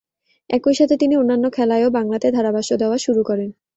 একইসাথে তিনি অন্যান্য খেলায়ও বাংলাতে ধারাভাষ্য দেওয়া শুরু করেন।